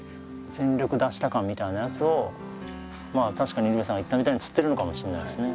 「全力出した感」みたいなやつをまあ確かに入部さん言ったみたいにつってるのかもしんないですね。